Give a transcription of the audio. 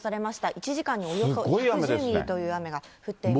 １時間におよそ１１０ミリという雨が降っています。